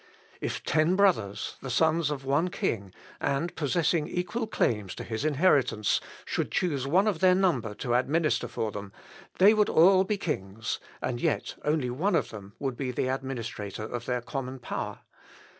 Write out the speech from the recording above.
If ten brothers, the sons of one king, and possessing equal claims to his inheritance, should choose one of their number to administer for them, they would all be kings, and yet only one of them would be the administrator of their common power.